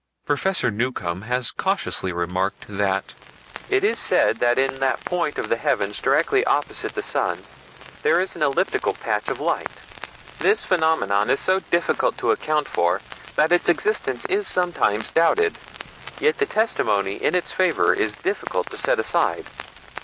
Professor Newcomb has cautiously remarked that it is said that in that point of the heavens directly opposite the sun there is an elliptical patch of light... This phenomenon is so difficult to account for that its existence is sometimes doubted; yet the testimony in its favor is difficult to set aside.